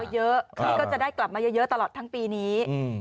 เยอะพี่ก็จะได้กลับมาเยอะตลอดทั้งปีนี้